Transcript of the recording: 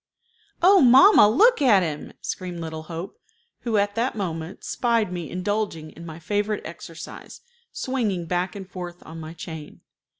"Oh, mamma, look at him!" screamed little Hope, who at that moment spied me indulging in my favorite exercise, swinging back and forth on my chain.